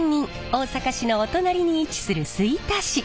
大阪市のお隣に位置する吹田市。